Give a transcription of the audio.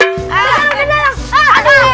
udah datang udah datang